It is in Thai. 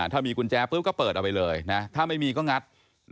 ถ้ามีกุญแจปุ๊บก็เปิดเอาไปเลยนะถ้าไม่มีก็งัด